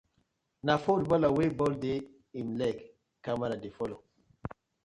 Na footballer wey ball dey im leg camera dey follow.